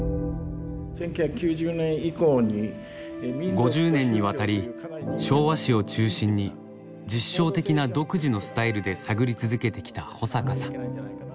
５０年にわたり昭和史を中心に実証的な独自のスタイルで探り続けてきた保阪さん。